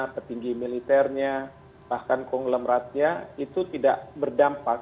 petinggi militernya bahkan konglem ratnya itu tidak berdampak